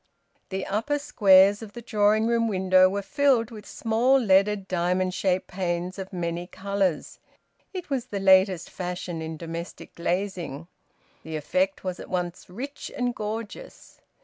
The upper squares of the drawing room window were filled with small leaded diamond shaped panes of many colours. It was the latest fashion in domestic glazing. The effect was at once rich and gorgeous.